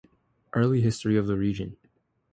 Early history of the region.